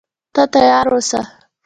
ته تیار اوسه.